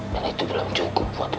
dan itu belum cukup buat gue